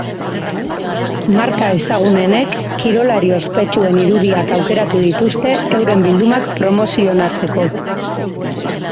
Marka ezagunenek kirolari ospetsuen irudiak aukeratu dituzte euren bildumak promozionatzeko.